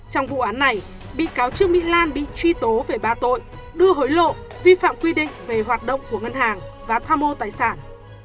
trong vụ án này bị cáo trương mỹ lan bị truy tố về ba tội đưa hối lộ vi phạm quy định về hoạt động của ngân hàng và tham mô tài sản